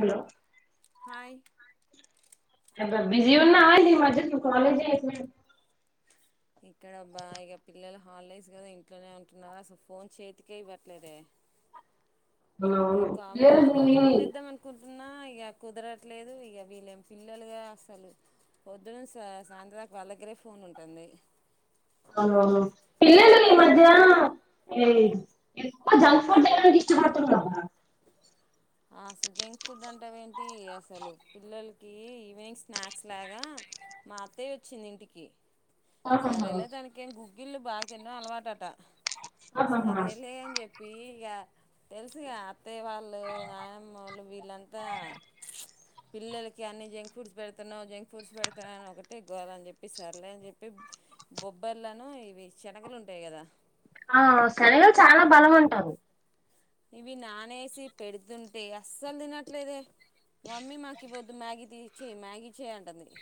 Hello hi busy ఉన్నావా ఏందీ ఈ మధ్య కాలేజీ ఇక్కడ అబ్బ ఇగ పిల్లలు హాలిడేస్ కదా ఇంట్లోనే ఉంటున్నారా అసలు ఫోన్ చేతికే ఇవ్వట్లేదే ఆ పలేరు అంటున్నా ఇక కుదరట్లేదు ఇగ వీళ్ళేం పిల్లలుగా అసలు పొద్దునుంచి సాయంత్రతకు వళ్ళగరే ఫోన్ ఉంటుంది అవువు పిల్లలు ఈ మధ్య ఎక్కువ జంక్ ఫుడ్ అయడానికి ఇష్టపడుతున్నా అసలు జంక్ ఫుడ్ అంటవి ఏంటి అసలు పిల్లలకి ఈవినింగ్ స్నాక్స్ లాగా మా అత్తయ్య వచ్చింది ఇంటికి ఆహాహా సరేలే తనకే గుగ్గిల్లు బాగ తినడం అలవాటట ఆహాహా సరేలే అని చెప్పి ఇగ తెలుసుగా అత్తయ్య వాళ్ళు నాయనమ్మోళ్ళు వీళ్ళంతా పిల్లలకి అన్ని జంక్ ఫ్రూడ్స్ పెడుతున్నావు జంక్ ఫుడ్స్ పెడుతున్నా అని ఒకటే గోల చెప్పి సర్లే అని చెప్పి బొబ్బర్లును ఇవి శనగలు ఉంటాయి కదా ఆ శనగలు చాలా బలం అంటారు ఇవి నానేసి పెడుతుంటే అస్సలు తినట్లేదే మమ్మీ మాకు ఇ పోద్దు మ్యాగీ తీసిచ్చేయ్ మ్యాగీ చేయ్ అంటుంది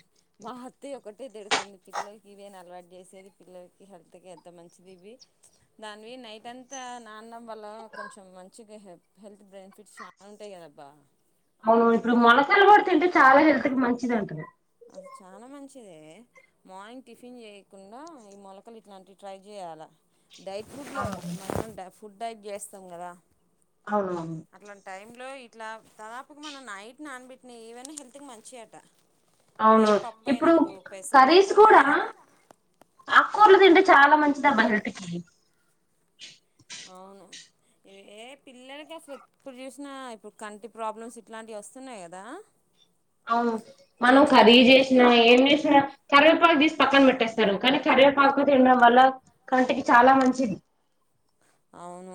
మా అత్తయ్య ఒకటే తిడుతుంది పిల్లలకి ఇవే న అలవాటు చేసేది పిల్లలకి హెల్త్కి ఎంత మంచిది ఇవి దానివి నైట్ అంతా నాన్నడం వల్ల కొంచెం మంచిగా హె హెల్త్ బెనిఫిట్స్ చాలా ఉంటాయి కదబ్బా ఇప్పుడు మొలకలు కూడా తింటే చాలా హెల్త్కి మంచిది అంట చాలా మంచిది మార్నింగ్ టిఫిన్ చేయకుండా ఈ మొలకలు ఇట్లాంటివి ట్రై చేయాల డైట్ ఫుడ్ లో అవును ఫుడ్ టైప్ చేస్తాం కదా అవునవును అట్లాంటి టై లో ఇట్ల దాదాపుగ మనం నైట్ నానబెట్ నే ఈవైనా హెల్త్ కి మంచి అట ఏ అవునవును పప్పు అయినా ఇప్పుడు పెసరపప్పు కర్రీస్ అనే కూడా కానీ ఆకూరలు తింటే చాలా మంచిది అబ్బ హెల్త్ కీ అవును ఇవ ఏ పిల్లలకి అసలు ఎప్పుడు చూసినా ఇప్పుడు కంటి ప్రాబ్లమ్స్ ఇట్లాంటివి వస్తున్నాయి కదా అవును మనం చిన్న చిన్న కర్రీ పిల్లలకి చేసిన ఏం చేసిన కరివేపాకు తీస్త పక్కన పెట్టేస్తారు కానీ కరివేపాకు తినడం వల్ల కంటికి చాలా మంచిది అవును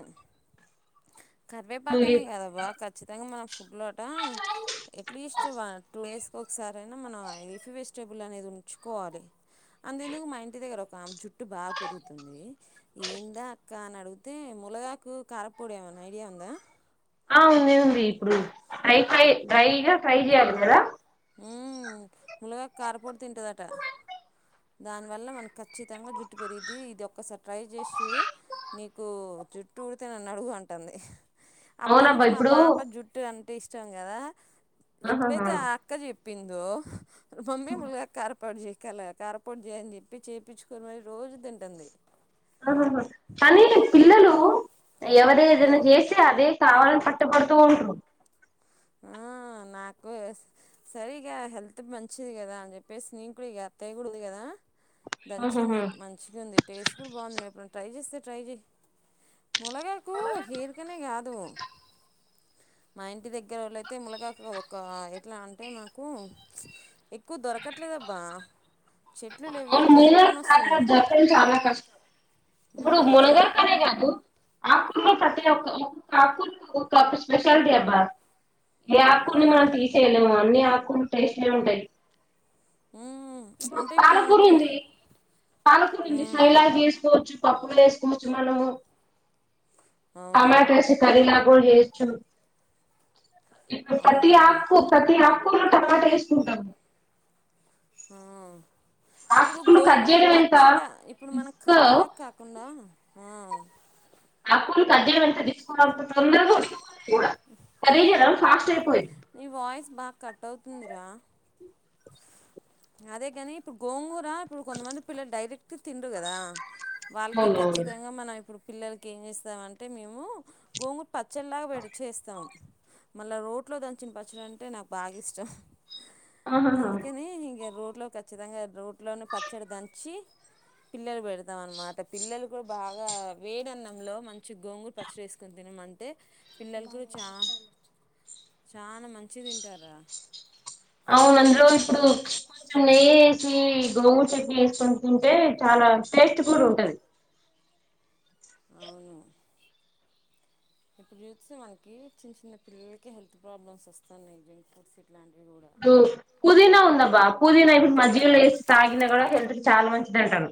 కరివేపాకనే కాదబ్బా ఖచ్చితంగా మనం ఫుడ్ లో అట ఎట్లీస్ట్ వ టూ డేస్కి ఒకసారి అయినా మనం లీఫీ వెజిటేబుల్ అనేది ఉంచుకోవాలి అంతెందుకు మా ఇంటి దగ్గర ఆమె జుట్టు బాగా పెరుగుతుంది ఏందా అక్క అని అడుగు అయితే ముళగాకు కారపొడీ ఏమైనా ఐడియా ఉందా ఆ ఉంది ఉంది ఇప్పుడు ట్రై ట్రై డ్రైగా ఫ్రై చేయాలి కదా మ్మ్ ములగాకు కారపొడి తింటుందట దానివల్ల మనకు ఖచ్చితంగా జుట్టు పెరుగుద్ది ఇది ఒక్కసారి ట్రై చేసి చూడు నీకు జుట్టు ఉడితే నన్ను అడుగు అంటాంది అప్పటి అవునబ్బా నుంచి మా ఇప్పుడు పాప జుట్టు అంటే ఇష్ట చ్చాం గదా ఆహాహా ఎప్పుడైతే ఆ పిందో మమ్మీ ములకారప్పొడి చేస్ ఇలా కారప్పొడి చేయమని చెప్పి చేపించుకొని మరి రోజు తింటుంది ఆహహ కానీ పిల్లలు ఎవరేదైనా చేస్తే అదే కావాలని పట్టు పడుతూ ఉంటరు ఆ నాకు సరి గా హెల్త్ కి మంచిది కదా అని చెప్పేసి నేను కూడా ఇక అత్తయకూడదు కదా దంచింది ఆహాహా మంచిగా ఉంది టేస్ట్ కూడా బాగుంది నీవెప్పుడైనా ట్రై చేస్తే ట్రై జెయ్ మలగా కు హెయిర్ కనే గాదు మా ఇంటి దగ్గ దగ్గర వాళ్ళ అయితే ములగాకు ఒక ఎట్లా అంటే మాకు ఎక్కువ దొరకట్లేదబ్బా చెట్లు అ లేవు కొనుక్కొని ములగాకు వస్తున్నాం బ్రతకడం చాల కష్టం ఇప్పుడు మ్మ్, కొను మునగాకనే కాదు ఆకు కూరల్లో ప్రతి ఒక్క ఆకులు ఒకప్పుడు స్పెషల్ డే బ్బా ఏ ఆకుని అవును మనం తీసేయలేం అన్నిీ ఆకులు టేస్ట్ నే ఉంటాయి హ్మ్ ఇప్పుడు అంటే ఇప్పుడు పాలకూర మనకి ఉంది పాలకూర ఉంది సైలాగ చేసుకోవచ్చు పప్పులు వేసుకోవచ్చు మనము అవును టమాట యేసి కర్రీ ల ఓల్డు చెయ్యొచ్చు ఇప్పుడు ఫతి అవునబ్బా ఆకు పతి ఆకు కూర లో టమాట వేసుకుంటాం హ ఇప్పుడు కట్ గోంగూర చేయడం ఎంత పచ్చడి ఇప్పుడు మనం రిస్క్ కర్రీలా కాకుండా ఆ ఆకులు కట్ చేయడం అంత [unintelligible] తొంద కూడా కర్రీ చేయడం ఫాస్ట్ అయిపోయింది ంద్ర అదే కాని ఇప్పుడు గోంగూరు ఇప్పుడు కొంతమంది పిల్లలు డైరెక్ట్ తినరు కదా వాళ్ళకి అవునవును ఖచ్చితంగా మనం ఇప్పుడు పిల్లలకి ఏం చేస్తామంటే మేము గోంగుట్ పచ్చళ్లాగా విడి చేేస్తాం మళ్ళా రోట్లో దంచిన పచ్చడి అంటే నాకు బాగా ఇష్టం. ఆహాహా అందుకని ఇ. ఇగ రోట్లో ఖచ్చితంగా రోట్లోనే పచ్చడి దంచి పిల్లలు పెడతాం అనమాట పిల్లలు కూడా బాగా వేడి అన్నంలో మంచి గోంగూర పచ్చడి వేసుకుని తినుమంటే పిల్లల కు చా చానా మంచి తింటారా. అవును అందులో ఇప్పుడు కొంచెం నెయ్యి ఏసి గోంగూర చట్నీ ఎసుకుని తింటే చాలా టేస్ట్ కూడా ఉంటది. అవును ఇప్పుడు చూస్తే మనకి చిన్న చిన్న పిల్లలకి హెల్త్ ప్రాబ్లమ్స్ వస్తున్నాయి జంక్ ఫుడ్స్. ఇట్లాంటివి కూడా పుదీనా ఉందబ్బా పుదీనా ఇప్పుడు మజ్జిగ లో ఏసి తాగిన కూడా హెల్త్ కి చాలా మంచి. దంటారు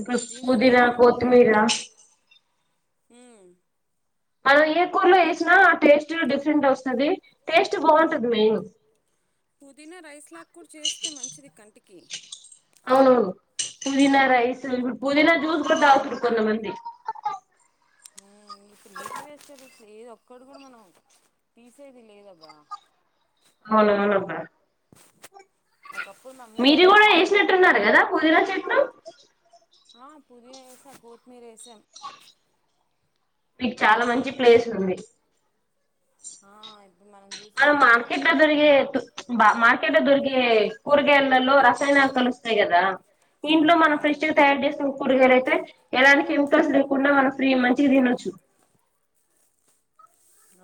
ఇకడ పుదీనానే పుదీనా కాదు కోతిమీర్ రా హ్మ్ అల్లా ఏ కూరలో ఎసినా టేస్ట్ డిఫరెంట్ వస్తది. టేస్ట్ బాంటది మే పుదీనా రైస్ లా కూడా చేస్తే మంచిది కంటికి. కే అవును పుదీనా రైసు, ఇ పుదీనా, జ్యూస్ కూడా తాగుతారు కొంతమంది. ఏదో ఒక్కడు కూడా మనం తీసేది లేదబ్బా. అవునవును అబ్బా. [inaudible] మ్ మీరు కూడా ఏసినట్టు ఉన్నారు కదా పుదీనా చెట్టు. [inaudible] ఆ పుదీనా వేసాం కోతిమీర్ వేసాం. మీకు చాలా మంచి ప్లేస్ ఉంది. ఆ ఇప్పుడు మనం అక్కడ చూసుకుంటే మార్కెట్ లో దొరికేటట్టు బ మార్కెట్ దొరికి. ఎ కూరగాయల్లో ర. కలుస్తాయి కదా ఇంట్లో మనం అవును ఫ్రెష్ గా తయారు చేసిన కూరగాయలు అయితే ఎలానికిం స్ లేకుండా మనం ఫ్రీ మంచిగా తినొచ్చు.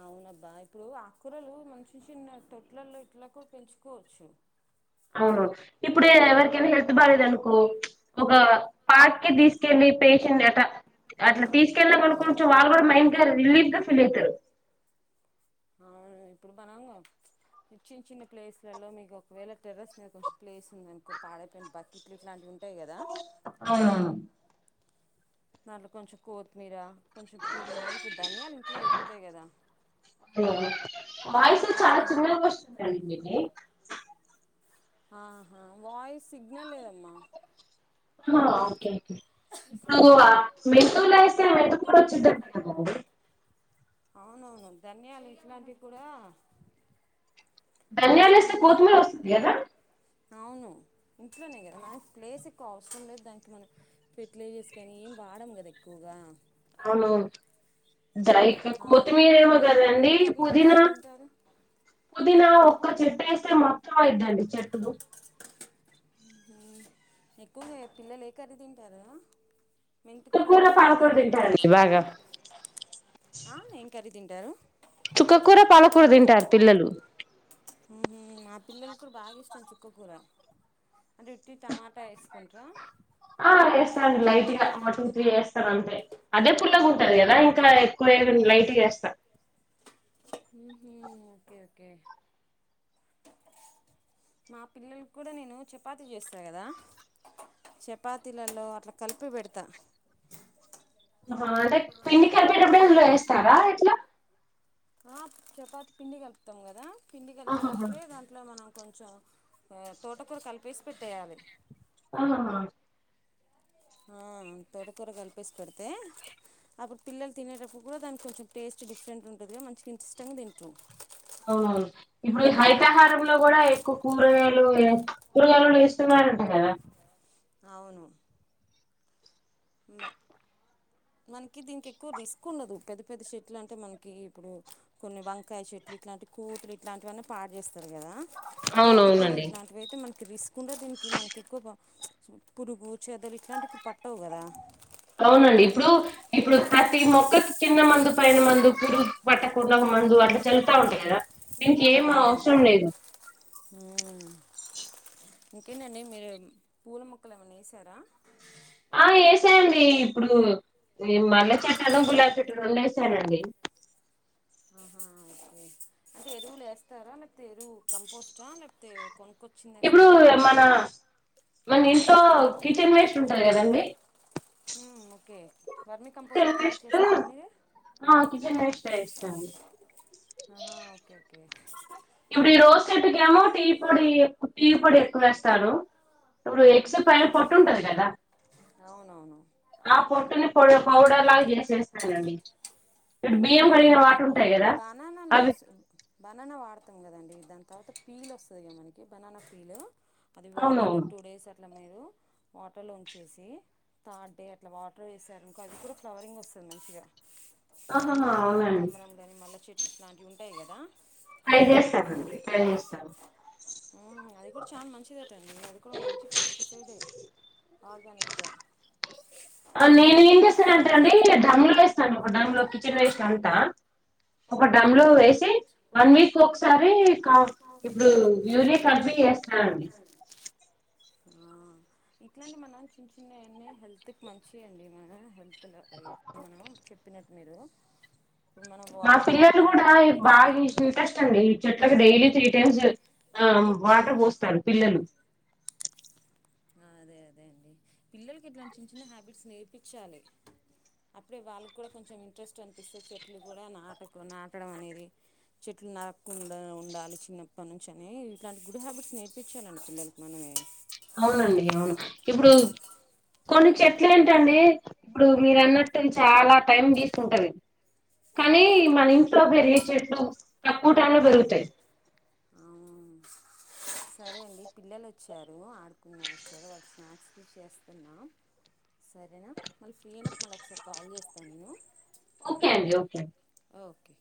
అవునబ్బా ఇప్పుడు ఆకూరలు మంచి చిన్న తొట్లల్లో ఇట్లా కూడా పెంచుకోవచ్చు. అవును ఇప్పుడ ఎవరికైనా హెల్త్ బాగాలేదు అనుకో ఒక పార్క్కు తీసుకెళ్ళి పేషెంట్ అ అట్లా తీసుకెళ్ళినామనకో కొంచెం వాళ్ళు కూడా మైండ్ రిలీఫ్గా ఫీల్ అవుతారు. అవును ఇప్పుడు మనం చిన్న చిన్న ప్లేస్ లలో మీకు ఒకవేళ టెర్రస్ మీద కొంచెం ప్లేస్ ఉంది అనుకో పాడైపోయిన బకెట్లు ఇట్లాంటివి ఉంటాయి కదా అ దాంట్లో కొంచెం కొత్తిమీర. కొంచెం పుదీనా ఇప్పుడు ధన్యాలు ఇంట్లో దొరుకుతాయి కదా వాయిస్ చాలా అట్లా. చిన్నగా వస్తుందండి మీది ఆహా వాయిస్ సిగ్నల్ లేదమ్మా. అ ఓకే ఇప్పుడు మెంతులు వేసే మెటుకులో కూడా వచ్చింది బాబు. అవునవును ధన్యాలు ఇట్లాంటికి కూడా. ధనియాలు ఇస్తే అట్లాంటివి కోతిమీర వస్తది కదా అవును ఇంట్లోనే కదా మనకి ప్లేస్ ఎక్కువ అవసరం లేదు దానికి మనం ఫెర్టిలేైజర్స్ కానీ ఏం వాడం కదా ఎక్కువగా అవునవును దైక ఆ, కొత్తిమీరేమో మీరు ఎక్కువ కదండి ఏం కర్రీలు పుదీనా ఇష్టం తింటారు పుదీనా ఒక్క చెట్టు వేస్తే మొత్తం ఆ ఇద్దామండి చెట్టుకు ఎక్కువ పిల్లలు ఏ కర్రీ తింటారా మెంతుకూర చుక్కకూర అట్ల పాలకూర తింటారా తింటారండి బాగా ఆ ఏం కర్రీ తింటారు చుక్కకూర పాలకూర తింటారు పిల్లలు మా పిల్లలు కూడా బాగా ఇష్టం చుక్కకూర అంటే ఇట్టి టమాటా వేసుకుంటార ఆ వేస్తాండి లైట్ గా ఒక టు త్రీ వేస్తాను అంతే అదే పుల్లగా ఉంటది కదా ఇంకా ఎక్కువ లైట్ గా వేస్తా ఓకే ఓకే మా పిల్లలకి కూడా నేను చపాతీ చేస్తా కదా చపాతీలలో అట్లా కలిపి పెడతా ఆహా అంటే పిండి కలిపేటప్పుడే ఇందులో వేస్తారా ఎట్లా ఆ చపాతి పిండి కలుపుతాం కదా పిండి ఆహాహా కలిపేటప్పుడే దాంట్లో మనం కొంచెం తోటకూర కలిపేసి పెట్టేయాలి ఆ హ హ ఆ తోటకూర కలిపేసి పెడితే అప్పుడు పిల్లలు తినేటప్పుడు కూడా దానికి కొంచెం టేస్ట్ డిఫరెంట్ ఉంటుందిగా మంచిగా ఇష్టంగా తింట్రు అవును అవును ఇప్పుడు హైతహారంలో కూడా ఎక్కువ కూరగాయలు కూరగాయలులు వేస్తున్నారంట కదా అవును మ మనకి దీనికి ఎక్కువ రిస్క్ ఉండదు పెద్ద పెద్ద చెట్లు అంటే మనకి ఇప్పుడు కొన్ని వంకాయ చెట్లు ఇట్లాంటి కోతులు ఇట్లాంటివన్నీ పాడు చేస్తయి కదా తోట కూర అవునవునండి ఇట్లాంటివి అయితే మ రిస్క్ ఉండద్ దీనికి మనకి ఎక్కువ పురుగు చెదలు ఇట్లాంటివి పట్టవు కదా అవునండి ఇప్పుడు ఇప్పుడు ప్రతి మొక్కకి కింద మందు పైన మందు పురుగు పట్టకుండా మందు అట్లా చల్లుతా ఉంటయి కదా ఇంక ఏం అవును అవసరం లేదు ఇంకేంటండి మీరు పూల మొక్కలు ఏమన్నా వేశారా ఆ ఏశాండీ ఇప్పుడు ఈ మల్లె చెట్టును గులాబి చెట్టును రెండు వేశానండి ఆహా అంటే ఎరువులు వేస్తారా లేతే ఎరువు కంపోస్టా లేకతే కొను వచ్చింది ఇప్పుడు ఎస్తారా మన మన ఇంట్లో కిచెన్ వేస్ట్ ఉంటది కదండి ఉమ్ ఓకే వర్మి కంపోస్ట్ కిచెన్ తయారు వేస్ట్ చేస్తారా మీరే ఆ కిచెన్ వేస్ట్ వేస్తాను హా ఓకే ఓకే ఇప్పుడు ఈ రోజ్ చెట్టు ఏమో టీ పొడి టీ పొడి ఎక్కువ వేస్తారూ ఇప్పుడు ఎగ్స్ పైన పొట్టు ఉంటది కదా అవునవును ఆ పొట్టుని పోడ్ పౌడర్ లాగా చేసేస్తానండి ఇప్పుడు బియ్యం కడిగిన వాటర్ ఉంటాయి కదా బనానా అవి లీవ్స్ బనానా వాడతాం కదండి దన్ తర్వాత పీల్ వస్తది కదా మనకి బనానా పీల్ అది వాటర్ లో అవునవును టూ డేస్ అట్లా మీరు వాటర్లో ఉంచేసి థర్డ్ డే అట్లా వాటర్ వేసారనుకో అది కూడా ఫ్లవరింగ్ వస్తుంది మంచిగా ఇప్పుడు ఆహాహా అవునండి కనకాంబరం గాని మల్లె చె ఎట్లాంటివి ఉంటాయి కదా ఫై చేస్తామండి ఫై చేస్తాను ఉమ్ అది కూడ్ చాల్ మంచిదేటండి అది కూడా ఒక మంచి పెస్టిసైడ్ఏ ఆర్గనిక్ నేను ఏం చేస్తాను అంటే అండి డమ్ములోస్తాను ఒక డమ్ లో కిచెన్ వేస్ట్ అంత ఒక డమ్ లో ఉహు వేసి వన్ వీక్ ఒక్సారి కా ఇప్పుడు యూరియా కల్పి వేస్తానండి ఆ ఇట్లాంటి మనం చిన్న చిన్నవివన్ని హెల్త్ కి మంచి అండి మన హెల్త్ [unintelligible] మనం చెప్పినట్ మీరు మానవ్ వా మా పిల్లలు మనం కూడా ఇ బాగ్ ఇష్ ఇంట్రెస్ట్ అండి చెట్లలకు డైలీ త్రీ టైమ్స్ ఆమ్ వాటర్ పోస్తారు పిల్లలు ఆ అదే అదే అండి పిల్లలకి ఇట్లాంటి చిన్న చిన్న హ్యాబిట్స్ నేర్పిచ్చాలి అప్పుడే వాళ్ళకి కూడా కొంచెం ఇంట్రెస్ట్ అనిపిస్తే చెట్లు కూడా నాటకు నాటడం అనేది చెట్లు నరక్కుండా ఉండాలి చిన్నప్పటి నుంచి అన్నే ఇలాంటి గుడ్ హ్యాబిట్స్ నేర్పించాలండి పిల్లలకి మనమే అవునండి అవును ఇప్పుడు కొన్ని చెట్లు అంటండి ఇప్పుడు మీరు అన్నట్టు చాలా టైం తీసుకుంటది కానీ మన ఇంట్లో పెరిగే చెట్లు తక్కువ టైమ్ లో పెరుగుతాయి. సరే అండి పిల్లలు వచ్చారు ఆడుకున్న వచ్చారు వాళ్ళు స్నాక్స్ చేస్తున్నాను సరేనా మళ్ళీ ఫ్రీ అయినప్పుడు మళ్ళీ ఒకసారి కాల్ చేస్తాను నేను. ఓకే అండి ఓకే అండి. ఓకే